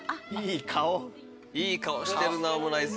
いい顔してるなオムライス。